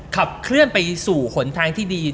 ขับเคลื่อนไปสู่หนทางที่ดี